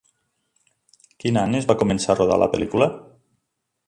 Quin any es va començar a rodar la pel·lícula?